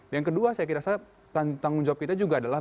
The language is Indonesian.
yang kedua saya kira tanggung jawab kita juga adalah